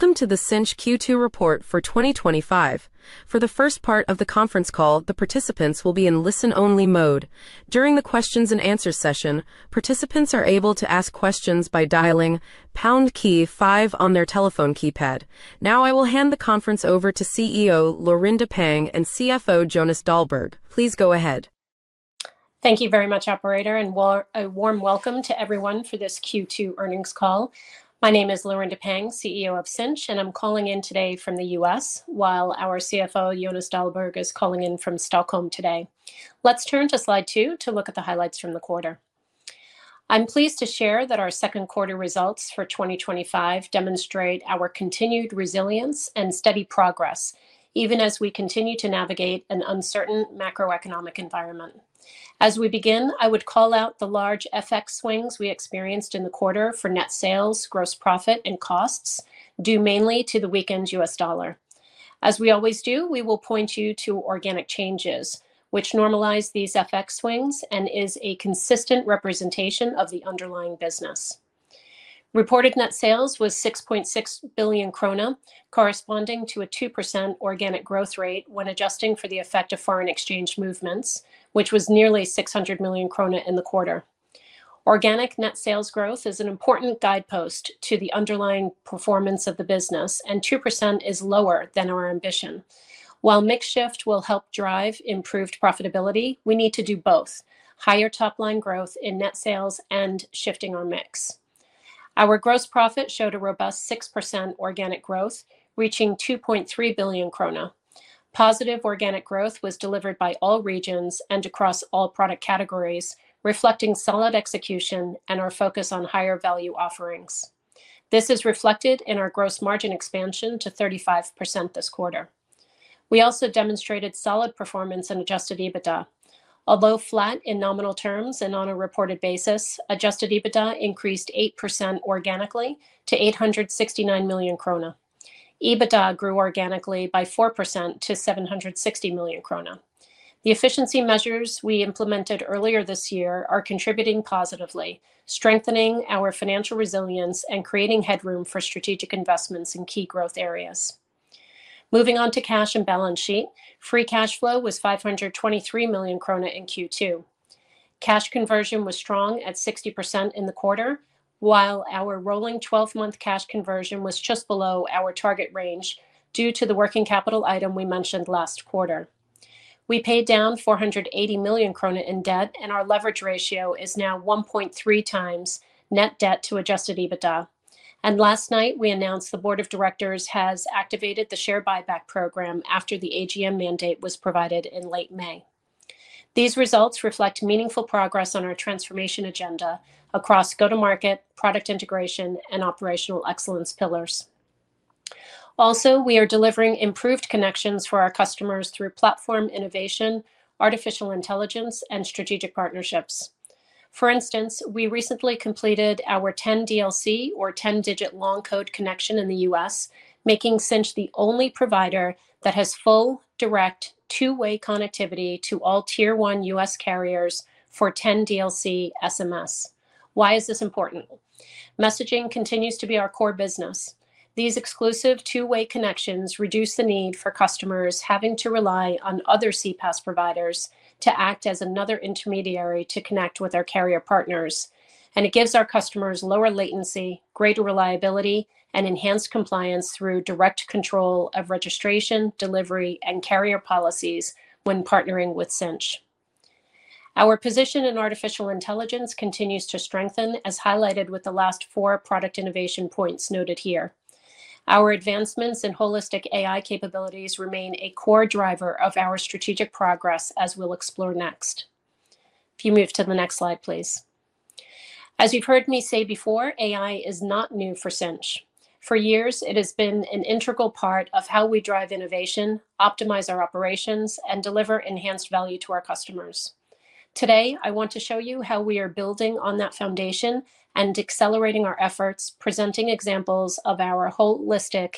Welcome to the Sinch Q2 report for 2025. For the first part of the conference call, the participants will be in listen-only mode. During the questions and answers session, participants are able to ask questions by dialing key five on their telephone keypad. Now I will hand the conference over to CEO Laurinda Pang and CFO Jonas Dahlberg. Please go ahead. Thank you very much, operator, and a warm welcome to everyone for this Q2 earnings call. My name is Laurinda Pang, CEO of Sinch, and I'm calling in today from. The U.S. while our CFO Jonas Dahlberg. Is calling in from Stockholm today. Let's turn to slide two to look at the highlights from the quarter. I'm pleased to share that our second quarter results for 2025 demonstrate our continued resilience and steady progress even as we. Continue to navigate an uncertain macroeconomic environment. As we begin, I would call out the large FX swings we experienced in the quarter for net sales, gross profit, and costs due mainly to the weakened U.S. dollar. As we always do, we will point you to organic changes, which normalize these FX swings and is a consistent representation. Of the underlying business. Reported net sales was 6.6 billion krona, corresponding to a 2% organic growth rate when adjusting for the effect of foreign exchange movements, which was nearly 600 million krona in the quarter. Organic net sales growth is an important guidepost to the underlying performance of the business, and 2% is lower than our ambition. While mix shift will help drive improved profitability, we need to do both higher top line growth in net sales and shifting our mix. Our gross profit showed a robust 6% organic growth, reaching 2.3 billion krona. Positive organic growth was delivered by all regions and across all product categories, reflecting solid execution and our focus on higher value offerings. This is reflected in our gross margin expansion to 35% this quarter. We also demonstrated solid performance in adjusted EBITDA. Although flat in nominal terms and on a reported basis, adjusted EBITDA increased 8% organically to 869 million krona. EBITDA grew organically by 4% to 760 million krona. The efficiency measures we implemented earlier this year are contributing positively, strengthening our financial resilience and creating headroom for strategic investments in key growth areas. Moving on to cash and balance sheet, free cash flow was 523 million krona in Q2. Cash conversion was strong at 60% in the quarter, while our rolling 12-month cash conversion was just below our target range. Due to the working capital item we mentioned last quarter, we paid down 480 million krona in debt, and our leverage ratio is now 1.3x net debt to adjusted EBITDA. Last night, we announced the Board of Directors has activated the share buyback program after the AGM mandate was provided in late May. These results reflect meaningful progress on our transformation agenda across go-to-market, product integration, and operational excellence pillars. Also, we are delivering improved connections for our customers through platform innovation, artificial intelligence, and strategic partnerships. For instance, we recently completed our 10DLC, or 10-Digit Long Code, connection in the U.S., making Sinch the only provider that has full direct two-way connectivity to all tier-1 U.S. carriers for 10DLC SMS. Why is this important? Messaging continues to be our core business. These exclusive two-way connections reduce the need for customers having to rely on other CPaaS providers to act as another intermediary to connect with our carrier partners. It gives our customers lower latency, greater reliability, and enhanced compliance through direct control of registration, delivery, and carrier policies. When partnering with Sinch, our position in artificial intelligence continues to strengthen, as highlighted with the last four product innovation points noted here. Our advancements in holistic AI capabilities remain a core driver of our strategic progress, as we'll explore next. If you move to the next slide, please, as you've heard me say before, AI is not new for Sinch. For years, it has been an integral part of how we drive innovation, optimize our operations, and deliver enhanced value to our customers. Today I want to show you how. We are building on that foundation and accelerating our efforts, presenting examples of our holistic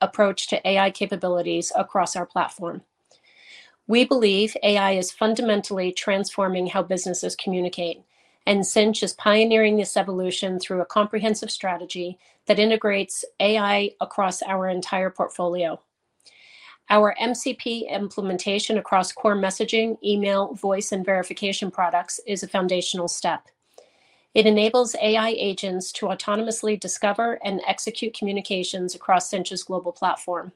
approach to AI capabilities across our platform. We believe AI is fundamentally transforming how businesses communicate and Sinch is pioneering this evolution through a comprehensive strategy that integrates AI across our entire portfolio. Our MCP implementation across core messaging, email, voice, and verification products is a foundational step. It enables AI agents to autonomously discover and execute communications across Sinch's global platform.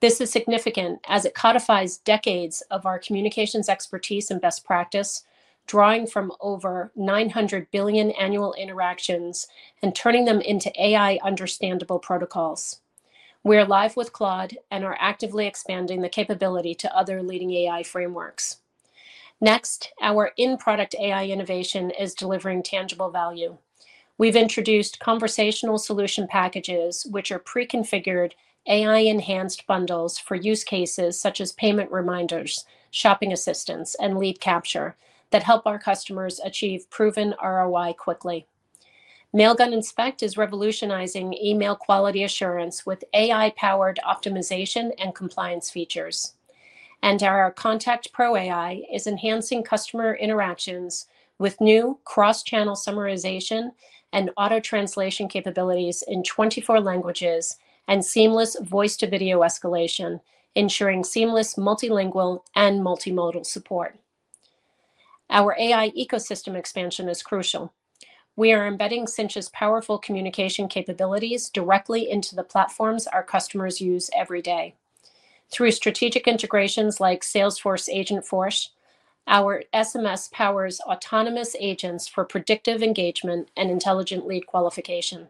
This is significant as it codifies decades of our communications expertise and best practice, drawing from over 900 billion annual interactions and turning them into AI understandable protocols. We are live with Claude and are actively expanding the capability to other leading AI frameworks. Next, our in-product AI innovation is delivering tangible value. We've introduced conversational solution packages, which are preconfigured AI-enhanced bundles for use cases such as payment reminders, shopping assistance, and lead capture that help our customers achieve proven ROI quickly. Mailgun Inspect is revolutionizing email quality assurance with AI-powered optimization and compliance features, and our Contact Pro AI is enhancing customer interactions with new cross-channel summarization and auto-translation capabilities in 24 languages and seamless voice-to-video escalation, ensuring seamless, multilingual, and multimodal support. Our AI ecosystem expansion is crucial. We are embedding Sinch's powerful communication capabilities directly into the platforms our customers use every day through strategic integrations like Salesforce AgentForce. Our SMS powers autonomous agents for predictive engagement and intelligent lead qualification.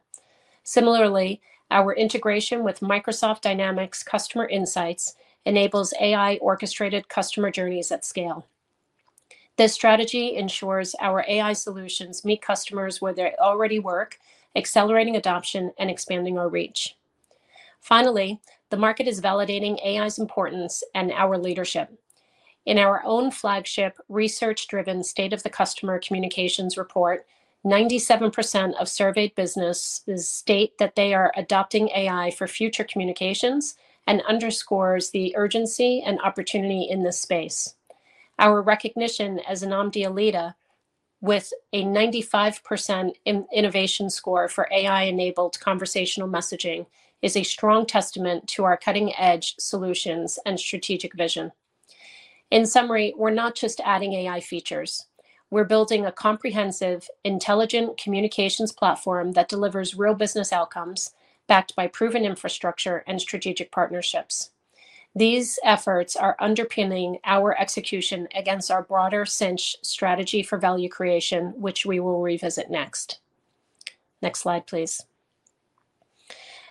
Similarly, our integration with Microsoft Dynamics Customer Insights enables AI-orchestrated customer journeys at scale. This strategy ensures our AI solutions meet customers where they already work, accelerating adoption and expanding our reach. Finally, the market is validating AI's importance and our leadership in our own flagship research-driven State of the Customer Communications Report. 97% of surveyed businesses state that they are adopting AI for future communications and underscores the urgency and opportunity in this space. Our recognition as an OMDI alita with a 95% innovation score for AI enabled conversational messaging is a strong testament to our cutting edge solutions and strategic vision. In summary, we're not just adding AI features, we're building a comprehensive intelligent communications platform that delivers real business outcomes backed by proven infrastructure and strategic partnerships. These efforts are underpinning our execution against our broader Sinch strategy for value creation, which we will revisit next. Next slide please.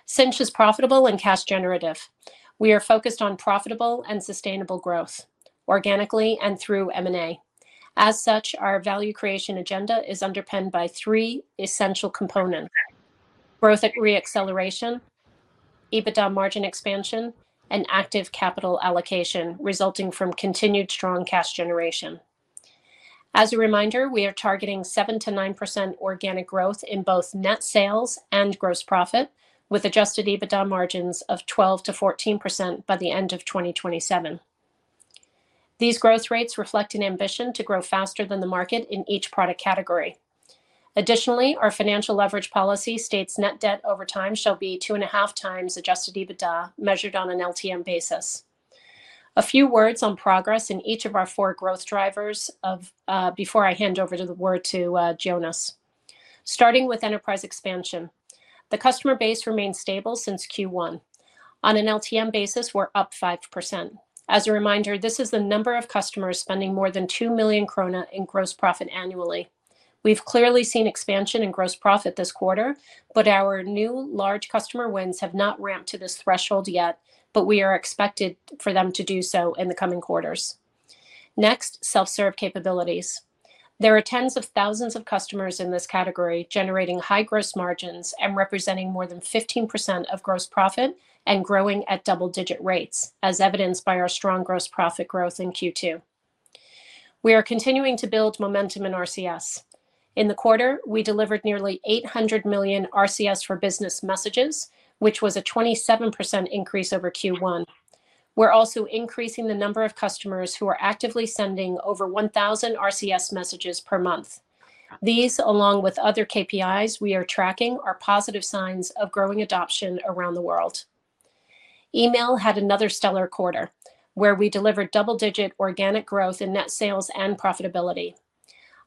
Sinch is profitable and cash generative. We are focused on profitable and sustainable growth organically and through M&A. As such, our value creation agenda is underpinned by three essential components: growth re-acceleration, EBITDA margin expansion, and active capital allocation resulting from continued strong cash generation. As a reminder, we are targeting 7%-9% organic growth in both net sales and gross profit with adjusted EBITDA margins of 12%-14% by the end of 2027. These growth rates reflect an ambition to grow faster than the market in each product category. Additionally, our financial leverage policy states net. Debt over time shall be 2.5x adjusted EBITDA measured on an LTM basis. A few words on progress in each of our four growth drivers before I hand over the word to Jonas. Starting with enterprise expansion, the customer base remains stable since Q1. On an LTM basis, we're up 5%. As a reminder, this is the number of customers spending more than 2 million krona in gross profit annually. We've clearly seen expansion in gross profit this quarter, but our new large customer wins have not ramped to this threshold yet. We are expected for them to do so in the coming quarters. Next, self-serve capabilities. There are tens of thousands of customers in this category generating high gross margins and representing more than 15% of gross profit and growing at double-digit rates. As evidenced by our strong gross profit growth in Q2, we are continuing to build momentum in RCS. In the quarter, we delivered nearly 800 million RCS for business messages, which was a 27% increase over Q1. We're also increasing the number of customers who are actively sending over 1,000 RCS messages per month. These, along with other KPIs we are tracking, are positive signs of growing adoption around the world. Email had another stellar quarter where we delivered double-digit organic growth in net sales and profitability.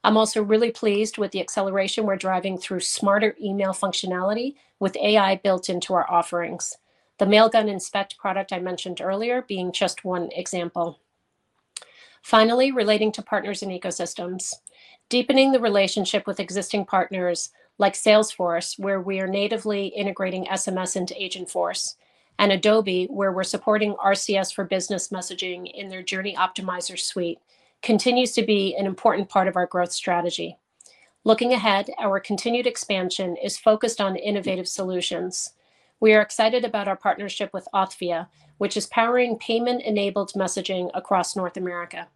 I'm also really pleased with the acceleration we're driving through smarter email functionality with AI built into our offerings. The Mailgun Inspect product I mentioned earlier. Being just one example. Finally, relating to partners and ecosystems, deepening the relationship with existing partners like Salesforce, where we are natively integrating SMS into AgentForce, and Adobe, where we're supporting RCS for business messaging in their Journey Optimizer suite, continues to be an important part of our growth strategy. Looking ahead, our continued expansion is focused on innovative solutions. We are excited about our partnership with Authvia, which is powering payment-enabled messaging across North America.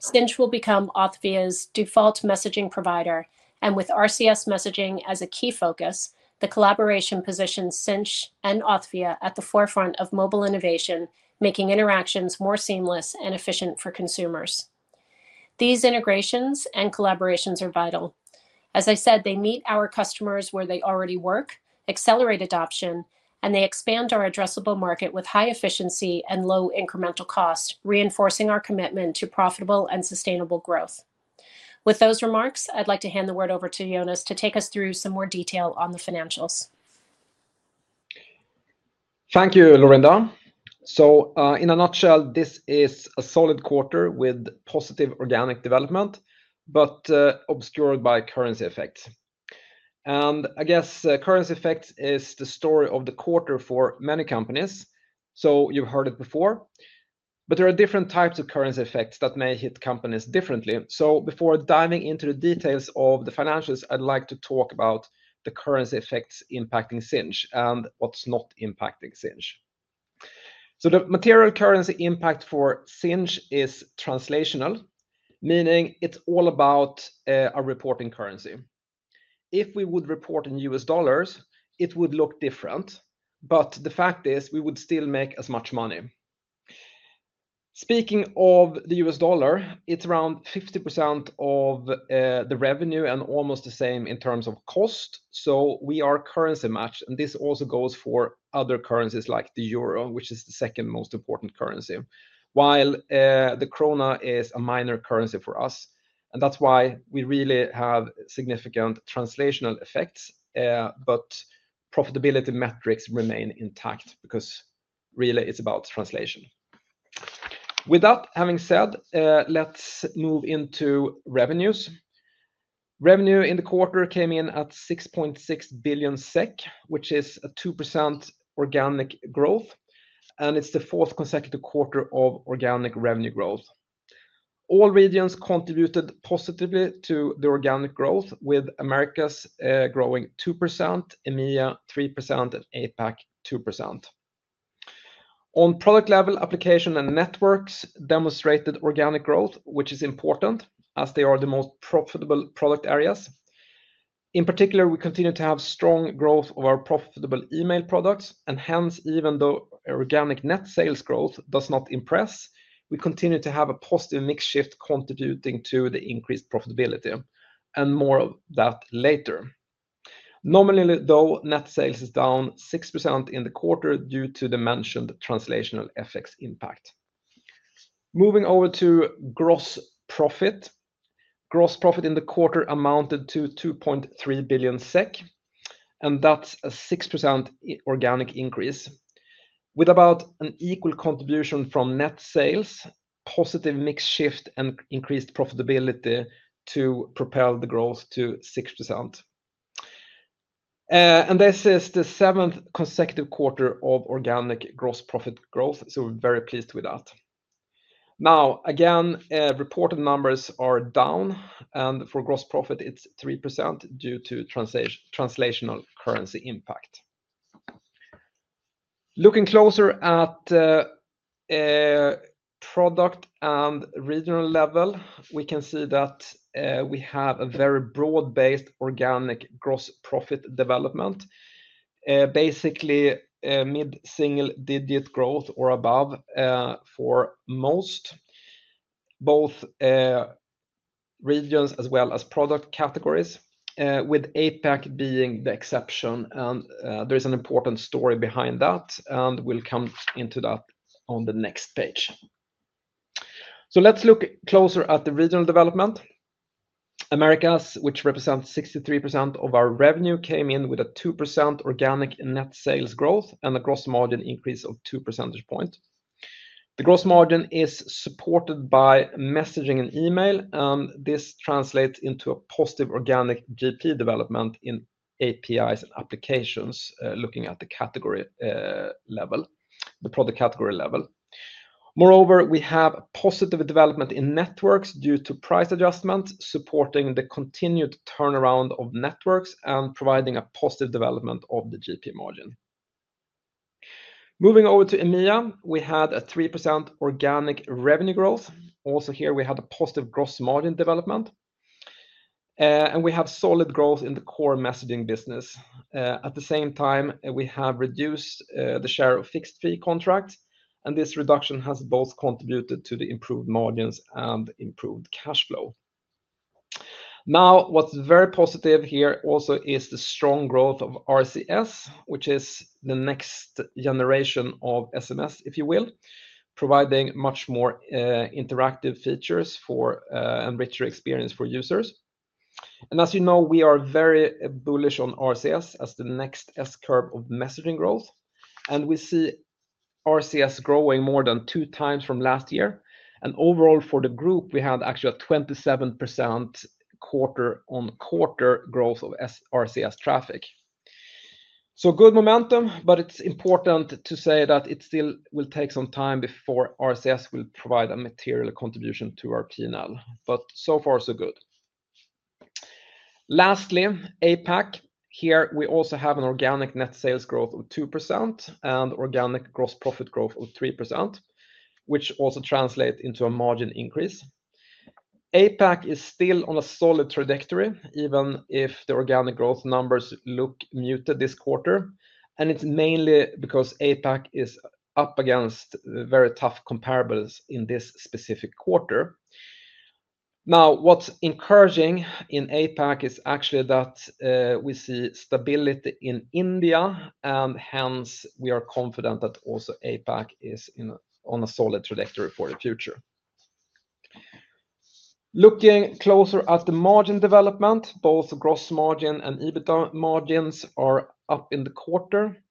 Sinch will become Authvia's default messaging provider, and with RCS messaging as a key focus, the collaboration positions Sinch and Authvia at the forefront of mobile innovation, making interactions more seamless and efficient for consumers. These integrations and collaborations are vital, as I said. They meet our customers where they already work, accelerate adoption, and they expand our addressable market with high efficiency and low incremental cost, reinforcing our commitment to profitable and sustainable growth. With those remarks, I'd like to hand the word over to Jonas to take us through some more detail on the financials. Thank you, Laurinda. In a nutshell, this is a solid quarter with positive organic development, but obscured by currency effects. I guess currency effects is the story of the quarter for many companies. You've heard it before, but there are different types of currency effects that. May hit companies differently. Before diving into the details of the financials, I'd like to talk about the currency effects impacting Sinch and what's not impacting Sinch. The material currency impact for Sinch is translational, meaning it's all about our reporting currency. If we would report in U.S. dollars it would look different, but the fact is we would still make as much money. Speaking of the U.S. dollar, it's around 50% of the revenue and almost the same in terms of cost. We are currency neutral. This also goes for other currencies like the Euro, which is the second most important currency, while the Krona is a minor currency for us. That's why we really have significant translational effects. Profitability metrics remain intact because really it's about translation. With that having been said, let's move into revenues. Revenue in the quarter came in at 6.6 billion SEK, which is a 2% organic growth, and it's the fourth consecutive quarter of organic revenue growth. All regions contributed positively to the organic growth, with Americas growing 2%, EMEA 3%, and APAC 2%. On product level, Application and Networks demonstrated organic growth, which is important as they are the most profitable product areas. In particular, we continue to have strong growth of our profitable Email products and hence, even though organic net sales growth does not impress, we continue to have a positive mix shift contributing to the increased profitability and more of that later. Nominally though, net sales is down 6% in the quarter due to the mentioned translational FX impact. Moving over to gross profit, gross profit in the quarter amounted to 2.3 billion SEK, and that's a 6% organic increase with about an equal contribution from net sales, positive mix shift, and increased profitability to propel the growth to 6%. This is the seventh consecutive quarter of organic gross profit growth. We're very pleased with that. Reported numbers are down and for gross profit it's 3% due to translational currency impact. Looking closer at product and regional level, we can see that we have a very broad-based organic gross profit development, basically mid-single-digit growth or above for most regions as well as product categories, with APAC being the exception. There is an important story behind that and we'll come into that on the next page. Let's look closer at the regional development. Americas, which represents 63% of our revenue, came in with a 2% organic net sales growth and a gross margin increase of 2 percentage points. The gross margin is supported by messaging and email. This translates into a positive organic GP development in APIs and applications. Looking at the product category level, moreover, we have positive development in networks due to price adjustments, supporting the continued turnaround of networks and providing a positive development of the GP margin. Moving over to EMEA, we had a 3% organic revenue growth. Also here we had a positive gross margin development and we have solid growth in the core messaging business. At the same time, we have reduced the share of fixed fee contracts and this reduction has both contributed to the improved margins and improved cash flow. What is very positive here also is the strong growth of RCS, which is the next generation of SMS, if you will, providing much more interactive features for a richer experience for users. As you know, we are very bullish on RCS as the next S curve of messaging growth and we see RCS growing more than two times from last year. Overall for the group, we had actually a 27% quarter-on-quarter growth of RCS traffic. Good momentum, but it's important to say that it still will take some time before RCS will provide a material contribution to our P&L, but so far so good. Lastly, APAC, here we also have an organic net sales growth of 2% and organic gross profit growth of 3%, which also translates into a margin increase. APAC is still on a solid trajectory even if the organic growth numbers look muted this quarter, and it's mainly because APAC is up against very tough comparables in this specific quarter. What is encouraging in APAC is actually that we see stability in India and hence we are confident that also APAC is on a solid trajectory for the future. Looking closer at the margin development, both gross margin and EBITDA margins are up in the quarter.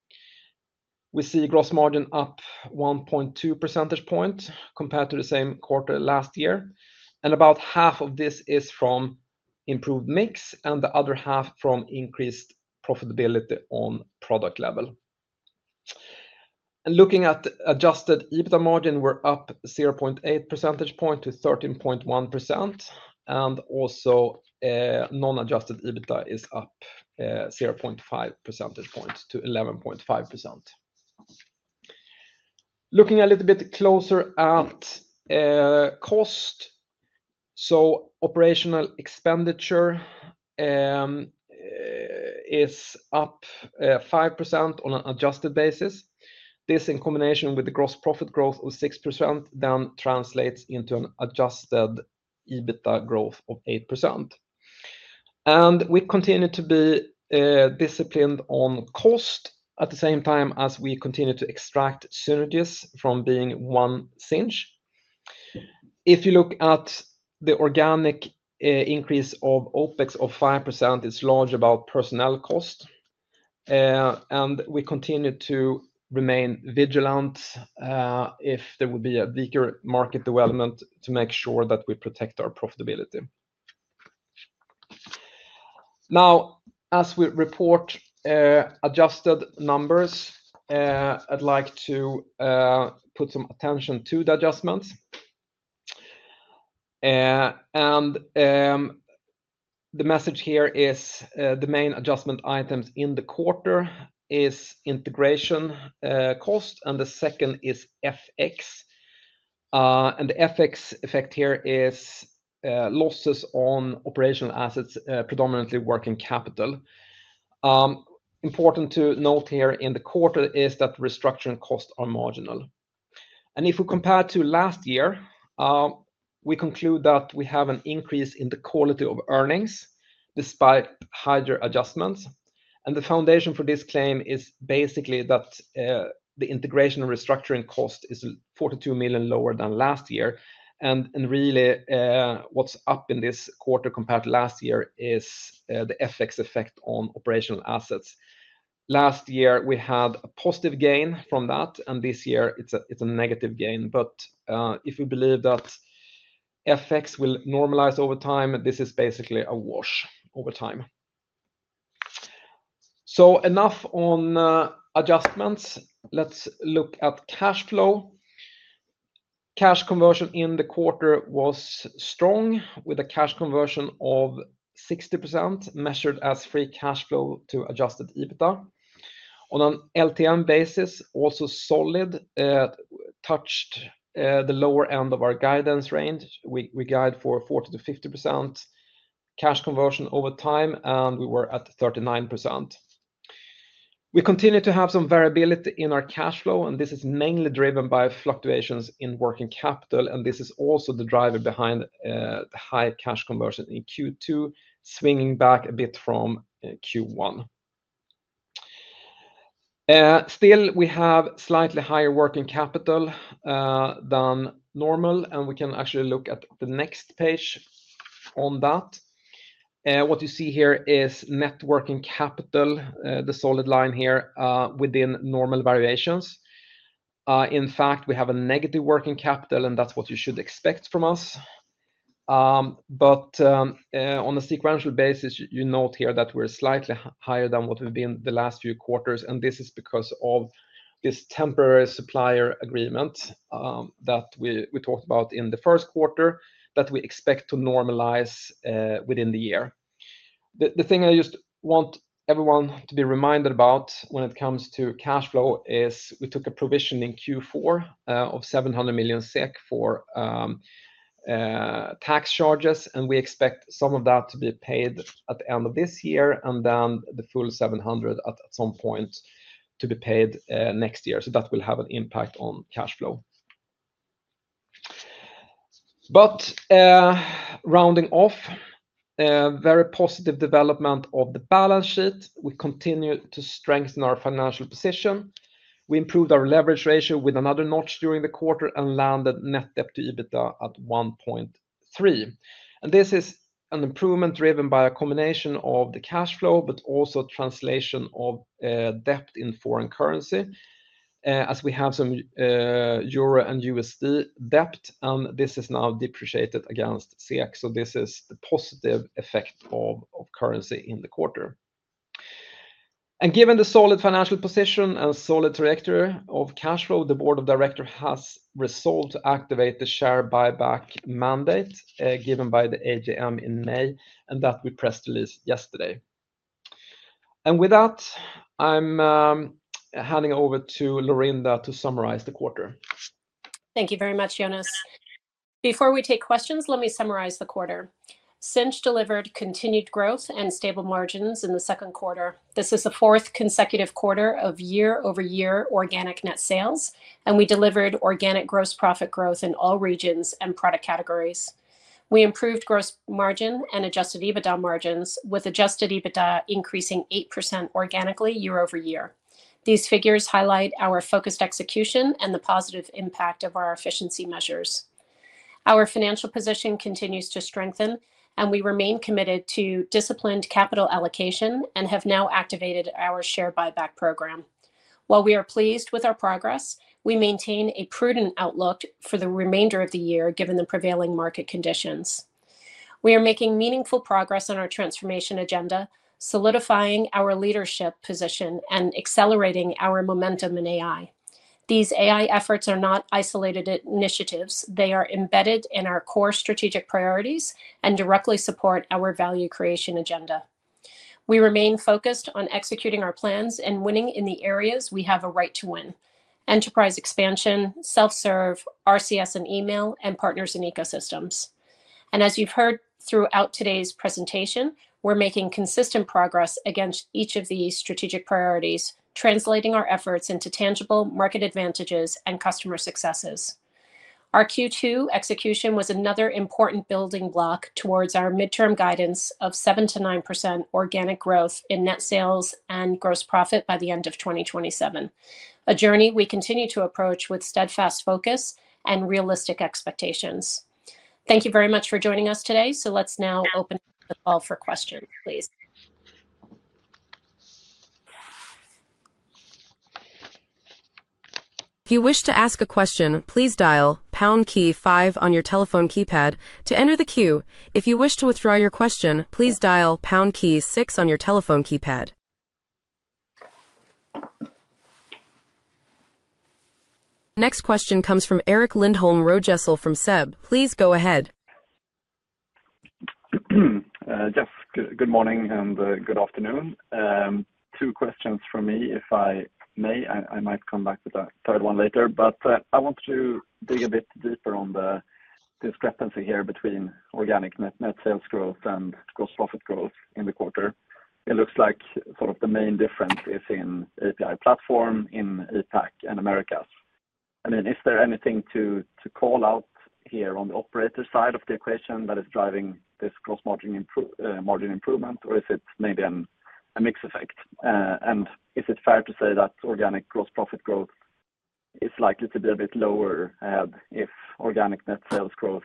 We see gross margin up 1.2 percentage points compared to the same quarter last year and about half of this is from improved mix and the other half from increased profitability on product level. Looking at adjusted EBITDA margin, we're up 0.8 percentage point to 13.1% and also non-adjusted EBITDA is up 0.5 percentage point to 11.5%, looking a little bit closer at cost. Operational expenditure is up 5% on an adjusted basis. This in combination with the gross profit growth of 6% then translates into an adjusted EBITDA growth of 8%, and we continue to be disciplined on cost at the same time as we continue to extract synergies from being one single. If you look at the organic increase of OpEx of 5%, it's largely about personnel cost, and we continue to remain vigilant if there would be a weaker market development to make sure that we protect our profitability. Now as we report adjusted numbers, I'd like to put some attention to the adjustments, and the message here is the main adjustment items in the quarter are integration cost and the second is FX, and the FX effect here is losses on operational assets, predominantly working capital. Important to note here in the quarter is that restructuring costs are marginal, and if we compare to last year, we conclude that we have an increase in the quality of earnings despite higher adjustments, and the foundation for this claim is basically that the integration and restructuring cost is 42 million lower than last year. What's up in this quarter compared to last year is the FX effect on operational assets. Last year we had a positive gain from that, and this year it's a negative gain. If we believe that FX will normalize over time, this is basically a wash over time. Enough on adjustments. Let's look at cash flow. Cash conversion in the quarter was strong with a cash conversion of 60% measured as free cash flow to adjusted EBITDA on an LTM basis. Also, solid touched the lower end of our guidance range. We guide for 40% to 50% cash conversion over time, and we were at 39%. We continue to have some variability in our cash flow, and this is mainly driven by fluctuations in working capital. This is also the driver behind the high cash conversion in Q2, swinging back a bit from Q1. Still, we have slightly higher working capital than normal, and we can actually look at the next page on that. What you see here is net working capital, the solid line here within normal variations. In fact, we have a negative working capital, and that's what you should expect from us. On a sequential basis, you note here that we're slightly higher than what we've been the last few quarters, and this is because of this temporary supplier agreement that we talked about in the first quarter that we expect to normalize within the year. The thing I just want everyone to be reminded about when it comes to cash flow is we took a provision in Q4 of 700 million SEK for tax charges, and we expect some of that to be paid at the end of this year and then the full 700 million at some point to be paid next year. That will have an impact on cash flow. Rounding off, very positive development of the balance sheet, we continue to strengthen our financial position. We improved our leverage ratio with another notch during the quarter and landed net debt to adjusted EBITDA at 1.3. This is an improvement driven by a combination of the cash flow but also translation of debt in foreign currency, as we have some EUR and USD debt, and this is now depreciated against SEK. This is the positive effect of currency in the quarter. Given the solid financial position and solid trajectory of cash flow, the Board of Directors has resolved to activate the share buyback mandate given by the AGM in May, and that we pressed the list yesterday. With that, I'm handing over to Laurinda to summarize the quarter. Thank you very much. Jonas, before we take questions, let me summarize the quarter. Sinch delivered continued growth and stable margins in the second quarter. This is the fourth consecutive quarter of year-over-year organic net sales, and we delivered organic gross profit growth in all regions and product categories. We improved gross margin and adjusted EBITDA margins, with adjusted EBITDA increasing 8% organically year-over-year. These figures highlight our focused execution. The positive impact of our efficiency measures. Our financial position continues to strengthen, and we remain committed to disciplined capital allocation. We have now activated our share buyback program. While we are pleased with our progress, we maintain a prudent outlook for the remainder of the year. Given the prevailing market conditions, we are making meaningful progress on our transformation agenda, solidifying our leadership position and accelerating our momentum in AI. These AI efforts are not isolated initiatives. They are embedded in our core strategic priorities and directly support our value creation agenda. We remain focused on executing our plans and winning in the areas we have a right to win: enterprise expansion, self-serve, RCS, Email, and partners in ecosystems. As you've heard throughout today's presentation, we're making consistent progress against each of these strategic priorities, translating our efforts into tangible market advantages and customer successes. Our Q2 execution was another important building block towards our midterm guidance of 7% to 9% organic growth in net sales and gross profit by the end of 2027, a journey we continue to approach with steadfast focus and realistic expectations. Thank you very much for joining us today. Let's now open the call for questions, please. If you wish to ask a question, please dial on your telephone keypad to enter the queue. If you wish to withdraw your question, please dial 6 on your telephone keypad. Next question comes from Erik Lindholm-Röjestål from SEB. Please go ahead. Good morning and good afternoon. Two questions for me if I may. I might come back to the third one later, but I want to dig a bit deeper on the discrepancy here between organic net sales growth and gross profit growth in the quarter. It looks like sort of the main difference is in API platform in APAC and Americas. Is there anything to call out here on the operator side of the equation that is driving this gross margin improvement? Or is it maybe a mix effect, and is it fair to say that organic gross profit growth is likely to be a bit lower if organic net sales growth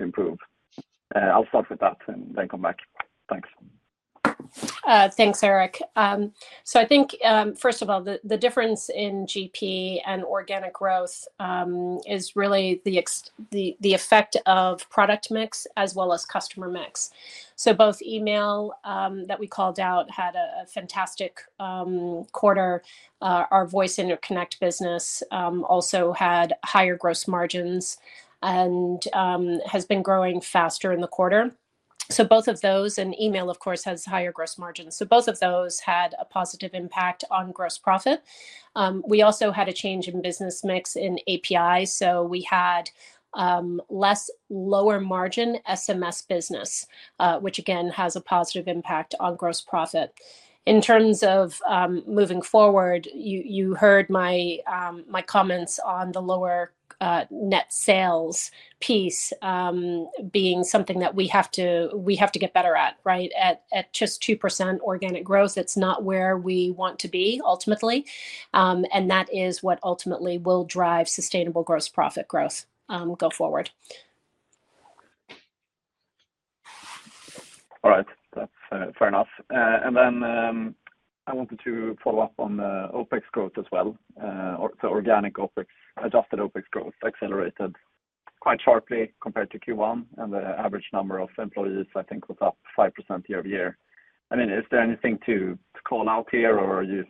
improve? I'll start with that and then come back. Thanks. Thanks Erik. I think first of all, the difference in GP and organic growth is really the effect of product mix as. As customer mix. Both Email that we called out had a fantastic quarter. Our Voice interconnect business also had higher gross margins and has been growing faster in the quarter. Both of those and Email of course has higher gross margins. Both of those had a positive. Impact on gross profit. We also had a change in business mix in API, so we had less lower margin SMS business, which again has. A positive impact on gross profit. terms of moving forward, you heard my comments on the lower net sales piece being something that we have to get better at. Right. At just 2% organic growth, it's not where we want to be ultimately. That is what ultimately will drive. Sustainable gross profit growth going forward. All right, that's fair enough. I wanted to follow up on the OpEx growth as well. The organic OpEx, adjusted OpEx growth accelerated quite sharply compared to Q1, and the average number of employees I think was up 5% year-over-year. Is there anything to call out here, or is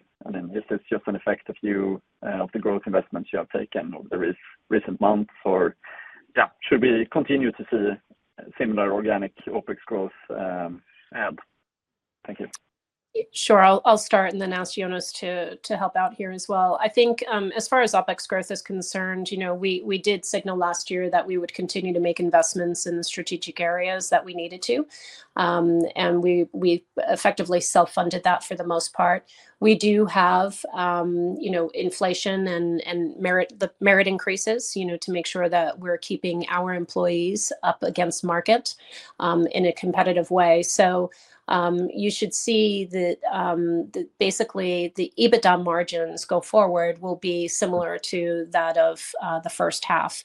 this just an effect of the growth investments you have taken in recent months? Should we continue to see similar organic OpEx growth ahead? Thank you. Sure. I'll start and then ask Jonas to. Help out here as well. I think as far as OpEx growth is concerned, we did signal last year. That we would continue to make investments in the strategic areas that we needed. We effectively self funded that. For the most part, we do have. Inflation and merit increases to make sure that we're keeping our employees up against market in a competitive way. You should see that basically the. EBITDA margins going forward will be similar. To that of the first half,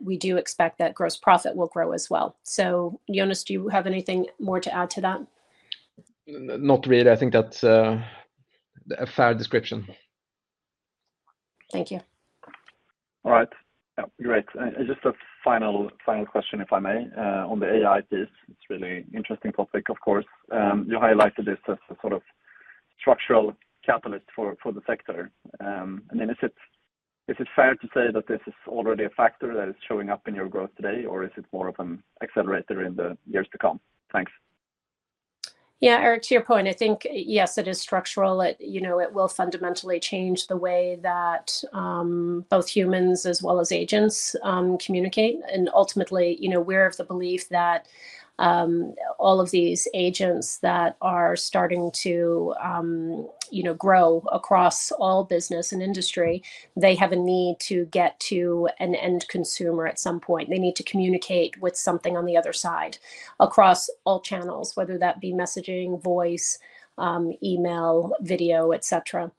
we do expect that gross profit. Will grow as well. Jonas, do you have anything more? To add to that? Not really. I think that's a fair description. Thank you. All right, great. Just a final, final question if I may on the AI. It's a really interesting topic. Of course, you highlighted this as a sort of structural catalyst for the sector. I mean, is it fair to say that this is already a factor that is showing up in your growth today, or is it more of an accelerator in the years to come? Thanks. Yeah, Erik, to your point, I think yes, it is structural. It will fundamentally change the way that both humans as well as agents communicate. Ultimately, we're of the belief that all of these agents that are starting to grow across. All business and industry, they have a. Need to get to an end consumer at some point, they need to communicate. With something on the other side across. All channels, whether that be messaging, voice, email, video, etc.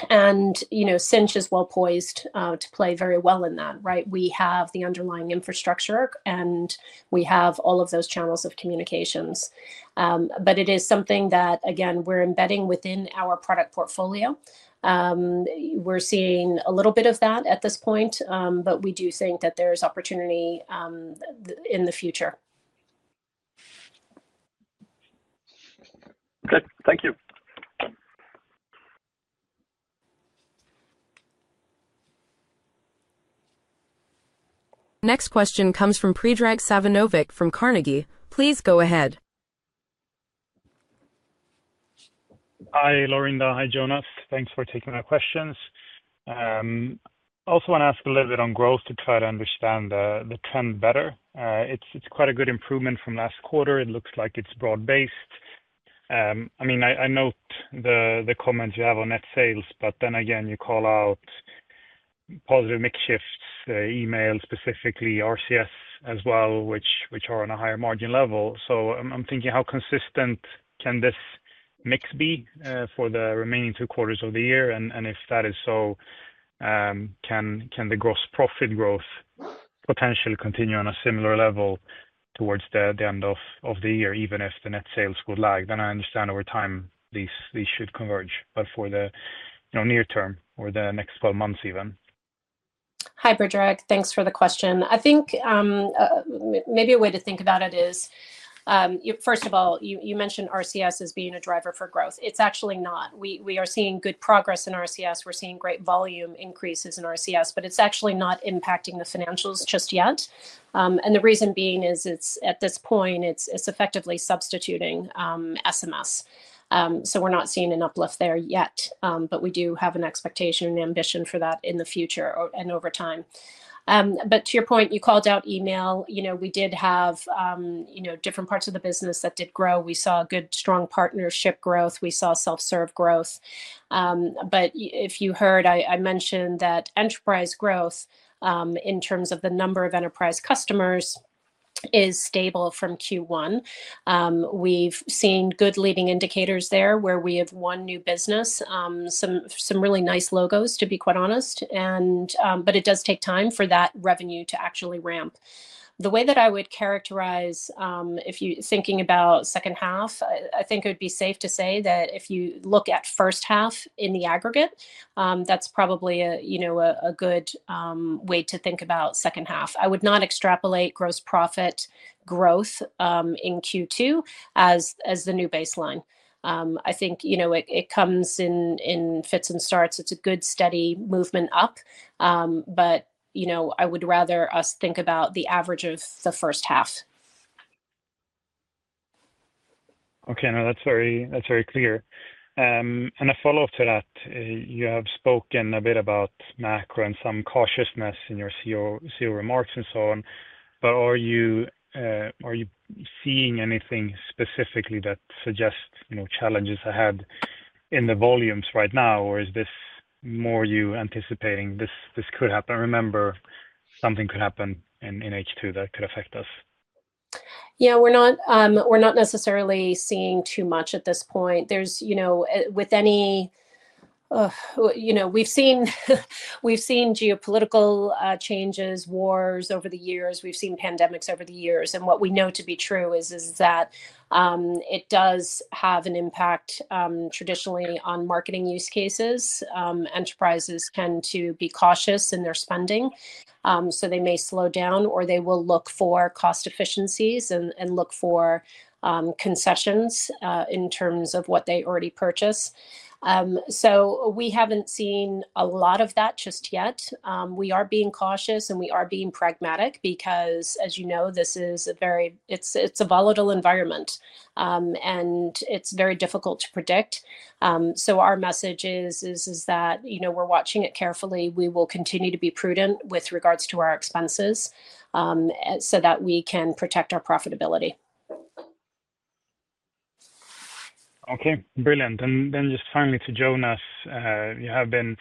Sinch is well poised to play very well in that. Right. We have the underlying infrastructure, and we. Have all of those channels of communications. It is something that again we're. Embedding within our product portfolio. We're seeing a little bit of that at this point, but we do think that there's opportunity in the future. Okay, thank you. Next question comes from Predrag Savinovic from Carnegie. Please go ahead. Hi Laurinda. Hi Jonas. Thanks for taking my questions. Also want to ask a little bit on growth to try to understand the trend better. It's quite a good improvement from last quarter. It looks like it's broad based. I mean I note the comments you have on net sales, but then again you call out positive mix shifts, Email, specifically RCS as well, which are on a higher margin level. I'm thinking how consistent can this mix be for the remaining two quarters of the year, and if that is so, can the gross profit growth potentially continue on a similar level towards the end of the year? Even if the net sales would lag, then I understand over time these should converge, but for the near term or the next 12 months even. Hi Bridger, thanks for the question. I think maybe a way to think about it is, first of all, you. Mentioned RCS as being a driver for growth. It's actually not. We are seeing good progress in RCS, we're seeing great volume increases in RCS, but it's actually not impacting the financials just yet. The reason being is at this point it's effectively substituting SMS. We're not seeing an uplift there yet, but we do have an expectation and ambition for that in the future and over time. To your point, you called out Email. You know we did have, you know. Different parts of the business that did grow. We saw good, strong partnership growth, we saw self-serve growth. If you heard I mentioned that. Enterprise growth in terms of the number. Of enterprise customers is stable from Q1. We've seen good leading indicators there. We have one new business. Really nice logos, to be quite honest. It does take time for that revenue to actually ramp the way. That I would characterize. If you are thinking about second half, I think it would be safe to say that if you look at first half in the aggregate, that's probably a good way to think about second half. I would not extrapolate gross profit growth. In Q2 as the new baseline, I think it comes in fits and starts. It's a good steady movement up. I would rather us think about it. The average of the first half. Okay, no, that's very clear. A follow up to that. You have spoken a bit about macro and some cautiousness in your CEO remarks and so on, but are you seeing anything specifically that suggests challenges ahead in the volumes right now, or is this more you anticipating this could happen? Remember, something could happen in H2 that could affect us. We're not necessarily seeing too much at this point. We've seen geopolitical changes, wars over the years, we've seen pandemics over the years. What we know to be true is that it does have an impact traditionally on marketing use cases. Enterprises tend to be cautious in their spending, so they may slow down or. They will look for cost efficiencies. Look for concessions in terms of what they already purchase. We haven't seen a lot of that just yet. We are being cautious, and we are. Being pragmatic because, as you know, this. It is a very volatile environment, and it's very difficult to predict. Our message is that, you know. We're watching it carefully, we will continue. To be prudent with regards to our expenses, so that we can protect our profitability. Okay, brilliant. Finally, to Jonas, you have been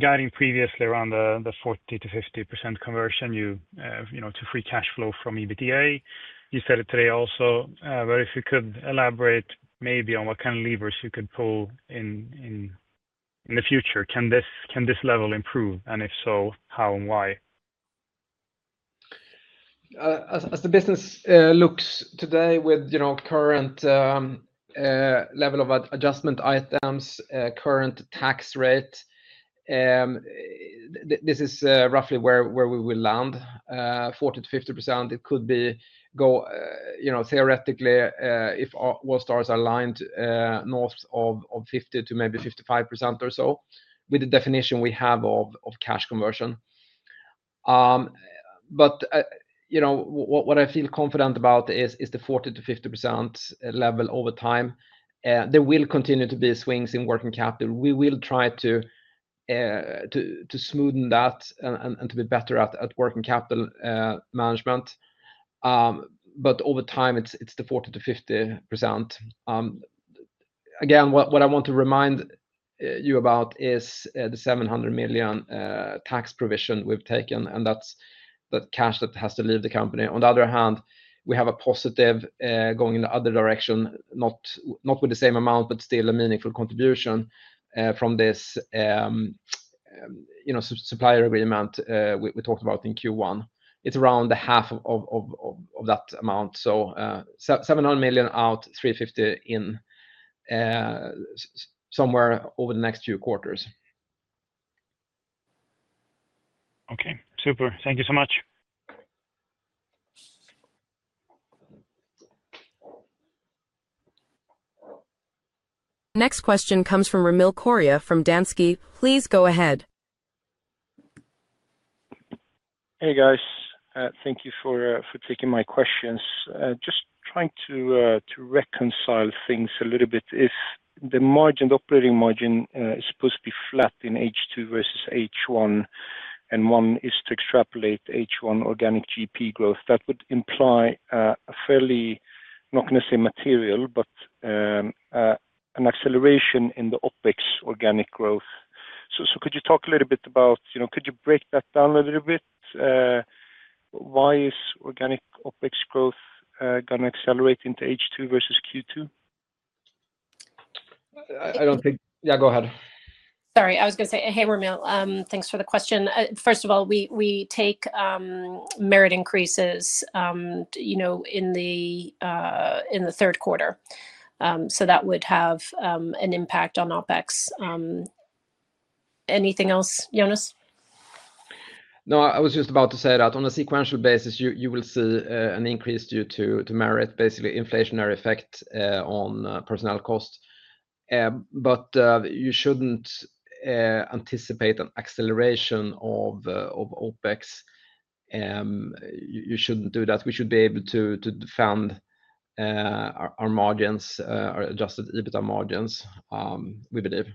guiding previously around the 40%-50% conversion to free cash flow from EBITDA. You said it today also. If you could elaborate maybe on what kind of levers you could pull in the future, can this level improve and if so, how and why. As. The business looks today, you know. Current level of adjustment items, current tax. Rate. This is roughly where we will land. 40%-50% it could go, you know, theoretically, if all stars are aligned, north of 50% to maybe 55% or so with the definition we have of cash conversion. What I feel confident about is the 40%-50% level. Over time there will continue to be. Swings in working capital. We will try to smoothen that and to be better at working capital management. Over time, it's the 40%-50%. Again. What I want to remind you about is the 700 million tax provision we've taken, and that's the cash that has to leave the company. On the other hand, we have a positive going in the other direction, not with the same amount, but still a meaningful contribution from this supplier agreement we talked about in Q1. It's around half of that amount. So 79 million out, 350 million in somewhere over the next few quarters. Okay, super. Thank you so much. Next question comes from Ramil Koria from Danske. Please go ahead. Hey guys, thank you for taking my questions. Just trying to reconcile things a little bit. If the margin, operating margin is supposed to be flat in H2 versus H1 and one is to extrapolate H1 organic gross profit growth, that would imply a fairly, not going to say material, but an acceleration in the OpEx organic growth. Could you talk a little bit about, you know, could you break that down a little bit? Why is organic OpEx growth going to accelerate into H2 versus Q2? I don't think. Yeah, go ahead. I was going to say. Hey, Ramil, thanks for the question. First of all, we take merit increases in the third quarter. That would have an impact on OpEx. Anything else, Jonas? I was just about to say that on a sequential basis you will see an increase due to merit, basically inflationary effect on personnel cost. You shouldn't anticipate an acceleration of OpEx. You shouldn't do that. We should be able to defend our margins, our adjusted EBITDA margins with a div.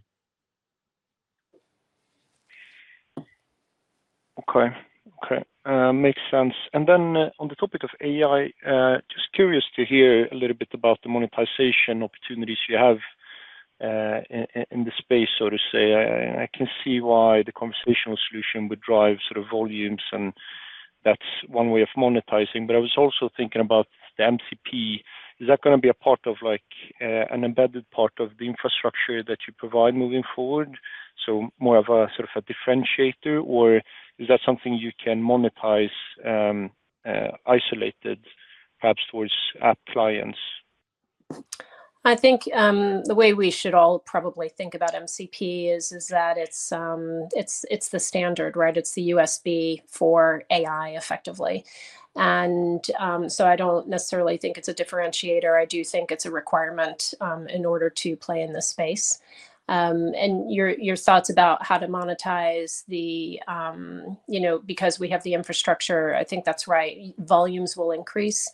Okay, makes sense. On the topic of AI, just curious to hear a little bit about the monetization opportunities you have in the space, so to say. I can see why the conversational solution would drive sort of volumes, and that's one way of monetizing. I was also thinking about the MCP. Is that going to be a part of, like, an embedded part of the infrastructure that you provide moving forward? More of a sort of a differentiator, or is that something you can monetize, isolated, perhaps towards app clients? I think the way we should all probably think about MCP is that it's the standard, right? It's the USB for AI effectively. I don't necessarily think it's a differentiator. I do think it's a requirement in order to play in this space. Your thoughts about how to monetize the, you know, because we have the infrastructure. I think that's right. Volumes will increase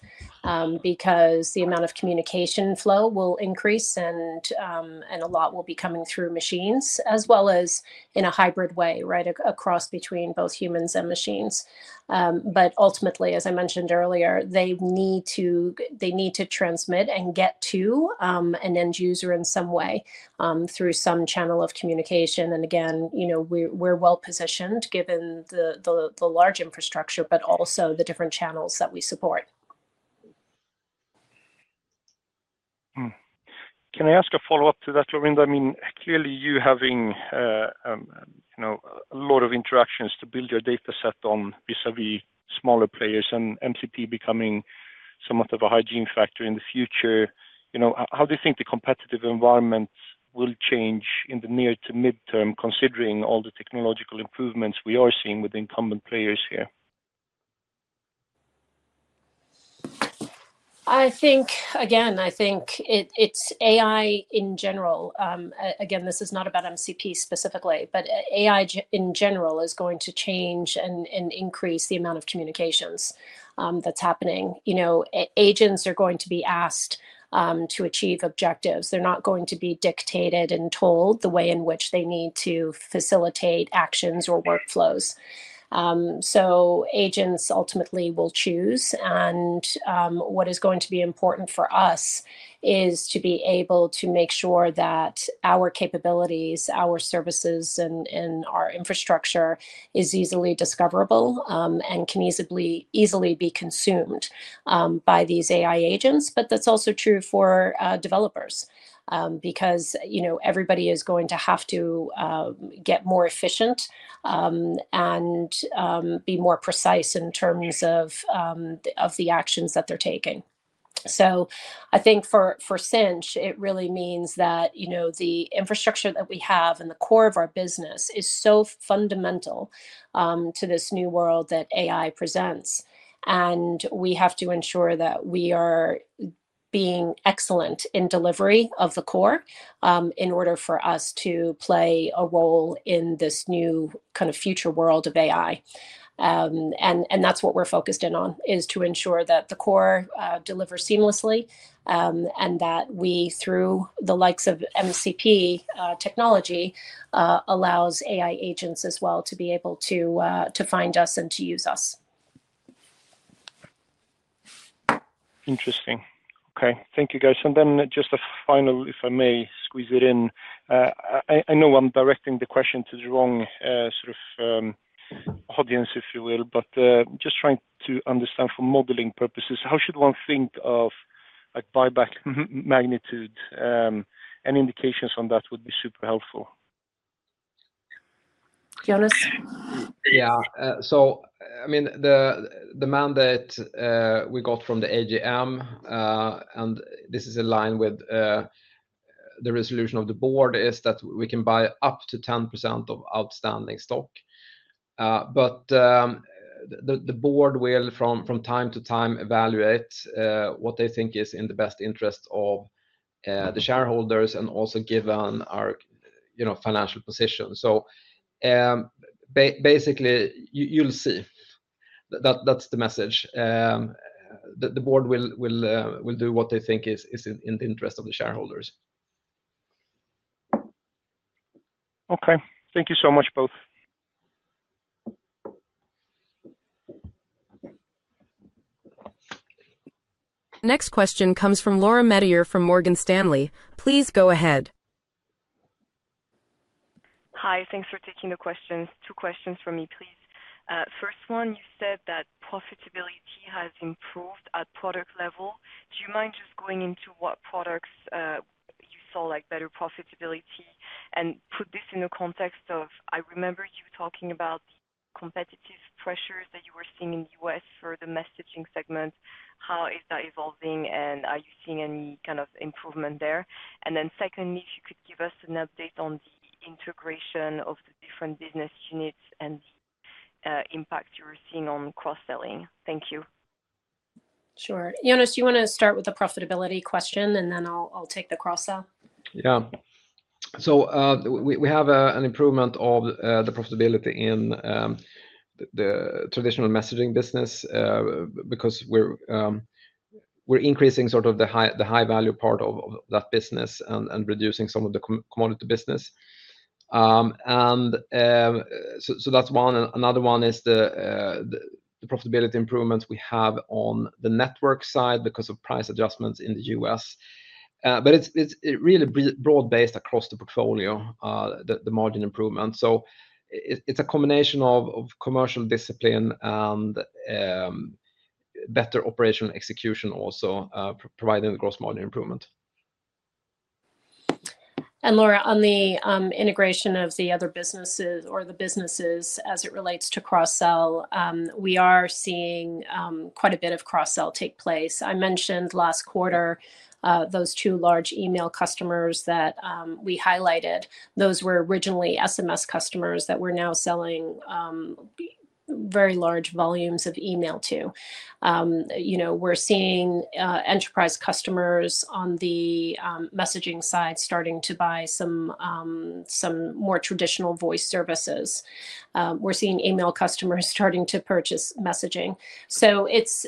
because the amount of communication flow will increase, and a lot will be coming through machines as well. As in a hybrid way, right across between both humans and machines. As I mentioned earlier, they need to transmit and get to an end user in some way through some channel of communication. We're well positioned given the large infrastructure, but also the different channels that we support. Can I ask a follow up to that, Laurinda? I mean, clearly you having a lot of interactions to build your data set on vis-à-vis smaller players and MCP becoming somewhat of a hygiene factor in the future. How do you think the competitive environment will change in the near to midterm considering all the technological improvements we are seeing with incumbent players here? I think it's AI in general. This is not about, I'm saying, but AI in general is going to change and increase the amount of communications that's happening. Agents are going to be asked to achieve objectives. They're not going to be dictated and told the way in which they need. To facilitate actions or workflows. Agents ultimately will choose. What is going to be important for us is to be able to make sure that our capabilities, our services, and our infrastructure are easily discoverable and can easily be consumed by these AI agents. That's also true for developers because, you know, everybody is going to have to get more efficient and be more precise in terms of the actions that they're taking. I think for Sinch, it really. Means that the infrastructure that we have and the core of our business is so fundamental to this new world that AI presents. We have to ensure that we are. Being excellent in delivery of the core. In order for us to play a role in this new future world of AI, that's what we're focused in on, to ensure that the core delivers seamlessly and that we, through the likes of MCP technology, allow AI agents as well to be able to find us and to use us. Interesting. Okay, thank you guys. Just a final, if I may squeeze it in. I know I'm directing the question to the wrong sort of audience, if you will, but just trying to understand for modeling purposes, how should one think of like buyback magnitude? Any indications on that would be super helpful. Jonas. Yeah, I mean the demand that we got from the AGM, and this is aligned with the resolution of the board, is that we can buy up to 10% of outstanding stock. The board will from time to time evaluate what they think is in the best interest of the shareholders and also given our financial position. Basically, you'll see that's the message. The board will do what they think. Is in the interest of the shareholders. Okay, thank you so much both. Next question comes from Laura Metayer from Morgan Stanley. Please go ahead. Hi, thanks for taking the questions. Two questions for me please. First one, you said that profitability has improved at product level. Do you mind just going into what products you saw like better profitability and put this in the context of I remember you talking about competitive pressures that you were seeing in the U.S. for the messaging segment. How is that evolving and are you seeing any kind of improvement there? Secondly, if you could give us an update on the integration of the different business units and impact you were seeing on cross selling. Thank you. Sure. Jonas, do you want to start with that? The profitability question, and then I'll take the cross sell. Yeah. We have an improvement of the profitability in the traditional messaging business because we're increasing sort of the high value part of that business and reducing some of the commodity business. Another one is the profitability improvements we have on the network side because. Of price adjustments in the U.S. It's really broad based across the portfolio, the margin improvement. It's a combination of commercial discipline. And. Better operational execution, also providing the gross margin improvement. Laura, on the integration of the other businesses or the businesses as it relates to cross sell, we are seeing quite a bit of cross sell take place. I mentioned last quarter those two large email customers that we highlighted. Those were originally SMS customers that we're now selling. Very large volumes of Email, too. You know we're seeing enterprise customers on the messaging side starting to buy some. Some more traditional Voice services. We're seeing Email customers starting to purchase messaging. It's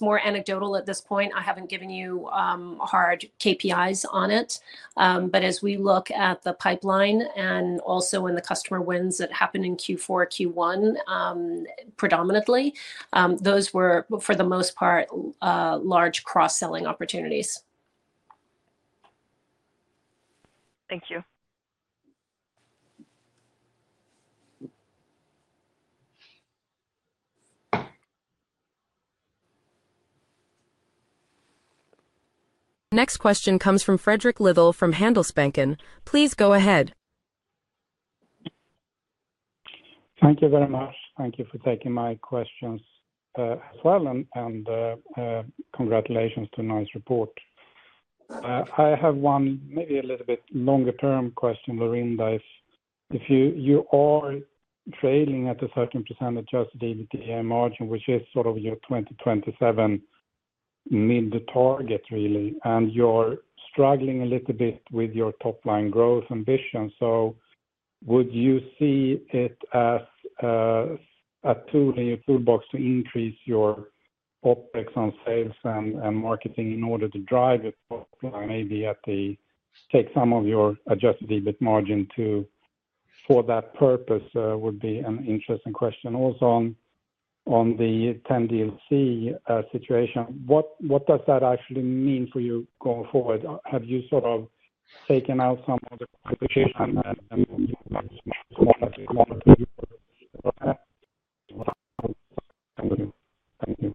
more anecdotal at this point. I haven't given you hard KPIs on it, but as we look at the pipeline and also in the customer wins that happen in Q4 and Q1, predominantly those were for the most part large cross selling opportunities. Thank you. Next question comes from Fredrik Lythell from Handelsbanken. Please go ahead. Thank you very much. Thank you for taking my questions as well. Congratulations to nice report. I have one maybe a little bit longer term question, Laurinda. If you are trailing at a certain percentage adjusted EBITDA margin, which is sort of your 2027 mid target really, and you're struggling a little bit with your top line growth ambition, would you see it as a tool in your toolbox to increase your OpEx on sales and marketing in order to drive it? Maybe take some of your adjusted EBITDA margin for that purpose would be an interesting question. Also, on the 10DLC situation, what does that actually mean for you going forward? Have you sort of taken out some of the questions? Appreciate.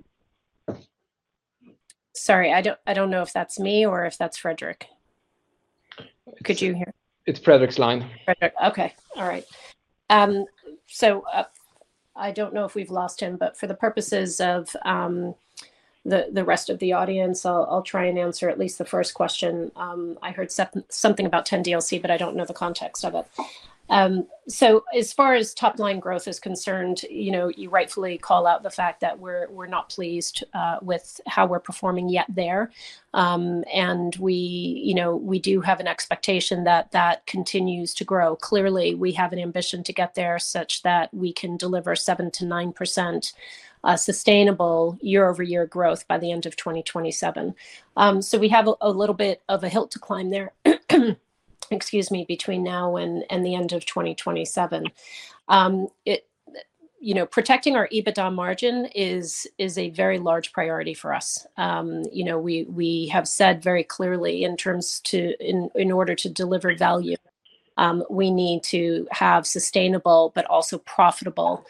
Sorry, I don't know if that's me or if that's Frederick. Could you hear? It's Fredrik's line. All right, I don't know. If we've lost him for the. the purposes of the rest of the audience, I'll try and answer that. least the first question. I heard, second, something about 10DLC. I don't know the context of it. As far as top line growth. As concerned, you know, you rightfully call out the fact that we're not pleased with how we're performing yet there. We do have an expectation that that continues to grow. Clearly, we have an ambition to get there such that we can deliver 7 to 9% sustainable year-over-year growth. By the end of 2027. We have a little bit of. A hill to climb there. Excuse me. Between now and the end of 2027, protecting our EBITDA margin is a very important priority. Large priority for us. We have said very clearly in order to deliver value, we need to have sustainable but also profitable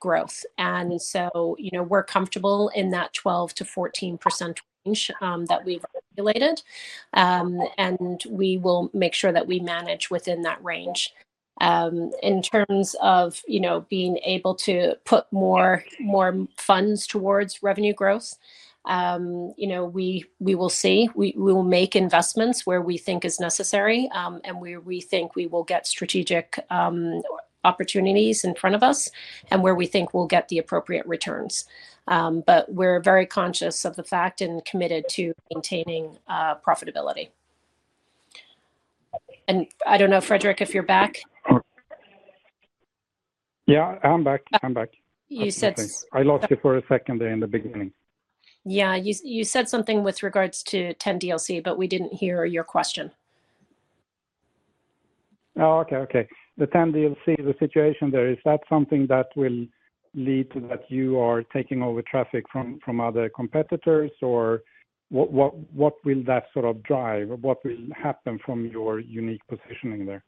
growth. We're comfortable in that 12%-14% range that we've regulated, and we will make sure that we manage within that range in terms of being able to put more, more. Funds towards revenue growth. We will see. We will make investments where we think is necessary and where we think we will get strategic opportunities in front of. Us and where we think we'll get the appropriate returns. We are very conscious of the fact and committed to maintaining profitability. I don't know, Frederick, if you're back. Yeah, I'm back. You said I lost you for a second there in the beginning. Yeah, you said something with regards to. 10DLC, but we didn't hear your question. The 10DLC, the situation there is that something that will lead to that you are taking over traffic from other competitors or what will that sort of drive? What will happen from your unique positioning there?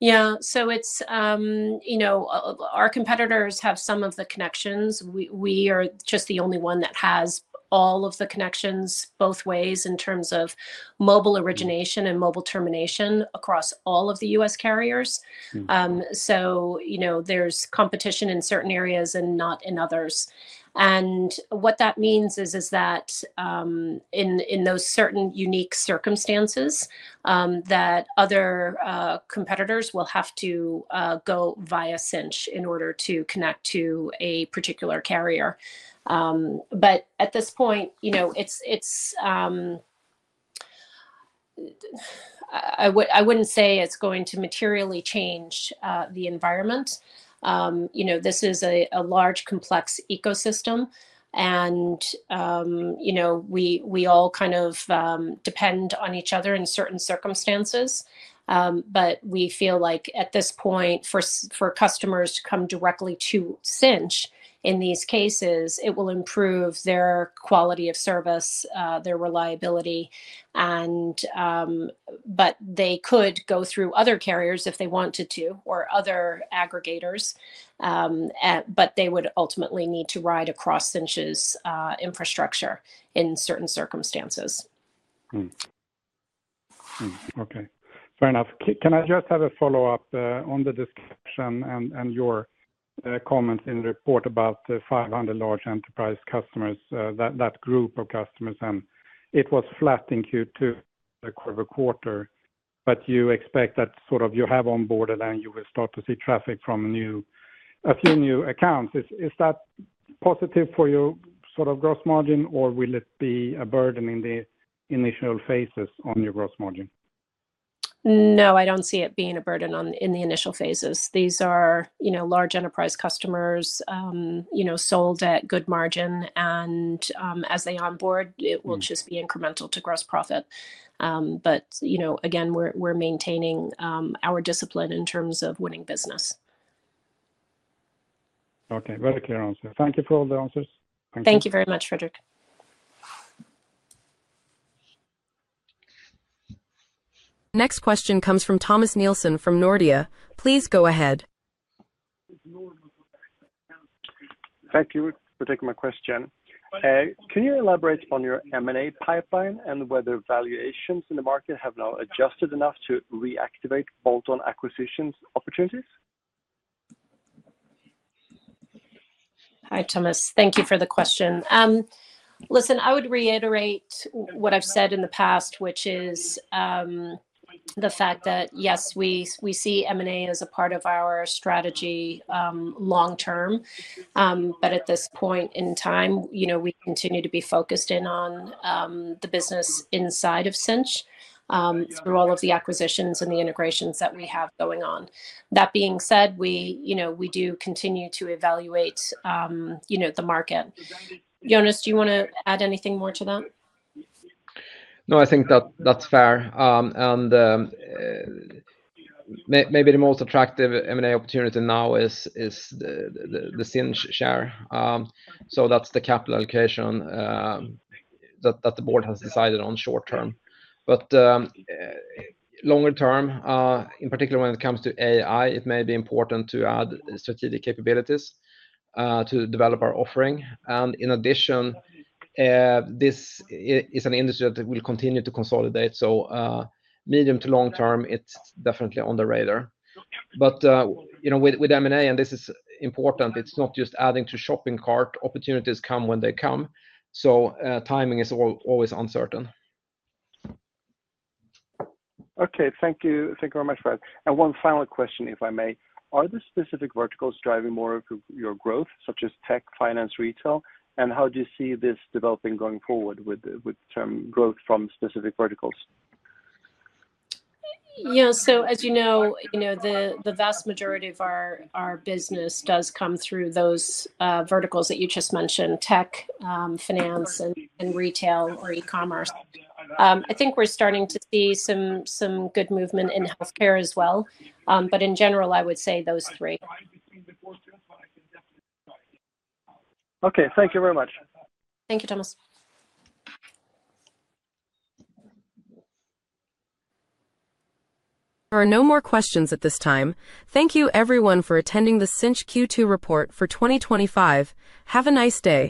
Yeah, it's our competitors. Have some of the connections. We are just the only one. Has all of the connections both ways in terms of mobile origination and mobile termination across all of the US carriers. There is competition in certain areas and not in others. What that means is that in those certain unique circumstances, other competitors will have to go via Sinch in order to connect to a particular carrier. At this point, I wouldn't say it's going to materially change the environment. This is a large, complex ecosystem, and we all kind of depend on each other in certain circumstances. We feel like at this point. For customers to come directly to Sinch in these cases, it will improve. Their quality, quality of service, their reliability. They could go through other carriers if they wanted to, or other aggregators. They would ultimately need to ride across Sinch's infrastructure in certain circumstances. Okay, fair enough. Can I just have a follow-up on the discussion and your comments in the report? About 500 large enterprise customers, that group of customers, and it was flat in Q2 for the quarter, but you expect that sort of. You have on borderline. You will start to see traffic from a few new accounts. Is that positive for your sort of gross margin, or will it be a burden in the initial phases on your gross margin? No, I don't see it being a burden on. In the initial phases, these are large enterprise customers sold at good margin, and as they onboard, it will just be incremental to gross profit. We're maintaining our discipline in terms of winning business. Okay, very clear answer. Thank you for all the answers. Thank you very much, Fredrik. Next question comes from Thomas Nilsson from Nordea. Please go ahead. Thank you for taking my question. Can you elaborate on your M&A pipeline? Whether valuations in the market have now adjusted enough to reactivate bolt-on acquisitions opportunities? Hi, Thomas, thank you for the question. Listen, I would reiterate what I've said in the past, which is the fact that, yes, we see M&A as a part of our strategy long term, but at this point in time, we continue to be focused in on the business inside of Sinch. Through all of the acquisitions and the. Integrations that we have going on. That being said, we do continue to evaluate the market. Jonas, do you want to add anything more to that? No, I think that's fair. And.Maybe the most attractive M&A opportunity now is the Sinch share. That's the capital allocation that the board has decided on short term, but longer term, in particular when it comes to AI, it may be important to add strategic capabilities to develop our offering. In addition, this is an industry that will continue to consolidate, so medium to long term, it's definitely on the radar. With M&A, and this is important, it's not just adding to shopping cart opportunities; opportunities come when they come. Timing is always uncertain. Okay, thank you. Thank you very much. One final question, if I may. Are the specific verticals driving more of your growth, such as tech, finance, retail? How do you see this developing? Going forward with growth from specific verticals? Yeah, as you know, the vast majority of our business does come through those verticals that you just mentioned, tech, finance. Retail or e-commerce. I think we're starting to see some. Good movement in health care as well. In general, I would say those three. Okay.Thank you very much. Thank you, Thomas. There are no more questions at this time. Thank you, everyone, for attending the Sinch Q2 report for 2025. Have a nice day.